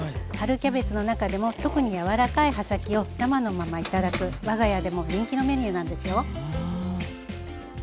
春キャベツの中でも特に柔らかい葉先を生のままいただく我が家でも人気のメニューなんですよ。